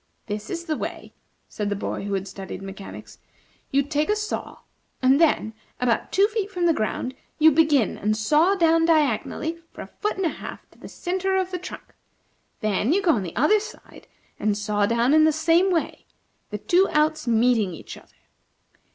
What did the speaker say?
"This is the way," said the boy who had studied mechanics. "You take a saw, and then, about two feet from the ground, you begin and saw down diagonally, for a foot and a half, to the centre of the trunk. Then you go on the other side, and saw down in the same way, the two outs meeting each other.